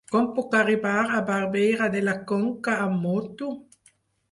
Com puc arribar a Barberà de la Conca amb moto?